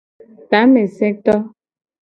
Tameseto.